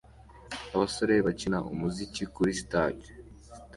abasore bakina umuziki kuri stage